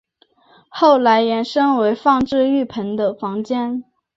后来延伸为放置浴盆的房间。